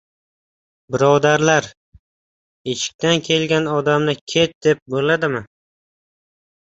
Birodarlar, eshikdan kelgan odamni ket, deb bo‘ladimi?